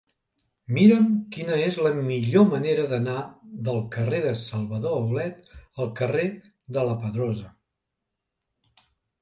Mira'm quina és la millor manera d'anar del carrer de Salvador Aulet al carrer de la Pedrosa.